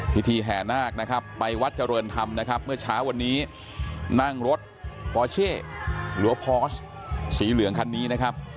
แห่นาคนะครับไปวัดเจริญธรรมนะครับเมื่อเช้าวันนี้นั่งรถปอเช่หรือว่าพอสสีเหลืองคันนี้นะครับ